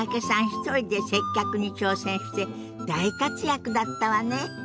一人で接客に挑戦して大活躍だったわね。